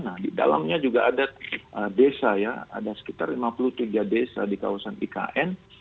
nah di dalamnya juga ada desa ya ada sekitar lima puluh tiga desa di kawasan ikn